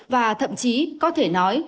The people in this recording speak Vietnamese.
và thậm chí có thể nói